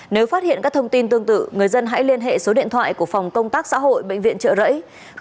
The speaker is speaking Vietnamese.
nếu phát hiện các thông tin tương tự người dân hãy liên hệ số điện thoại của phòng công tác xã hội bệnh viện trợ rẫy